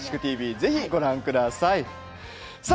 ぜひご覧ください。